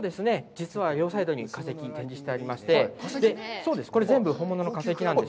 実は、両サイドに化石が展示してありまして、これ、全部本物の化石なんです。